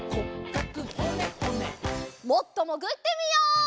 もっともぐってみよう。